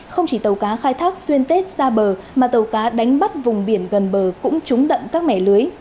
không chỉ tàu cá khai thác xuyên tết ra bờ mà tàu cá đánh bắt vùng biển gần bờ cũng trúng đậm các mẻ lưới